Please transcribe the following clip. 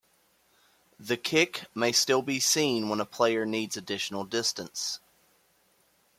The kick may still be seen when a player needs additional distance.